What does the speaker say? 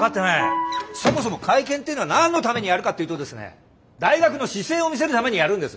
そもそも会見っていうのは何のためにやるかっていうとですね大学の姿勢を見せるためにやるんです！